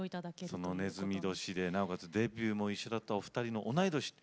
そのねずみ年でなおかつデビューも一緒だったお二人の「おないどし」。